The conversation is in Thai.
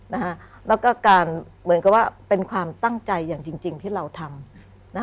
แล้วก็การเหมือนกับว่าเป็นความตั้งใจอย่างจริงที่เราทำ